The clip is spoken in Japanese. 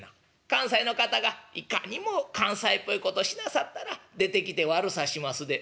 「関西の方がいかにも関西っぽいことしなさったら出てきて悪さしますで」。